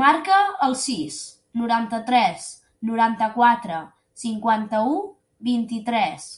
Marca el sis, noranta-tres, noranta-quatre, cinquanta-u, vint-i-tres.